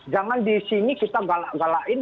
jangan di sini kita galak galakin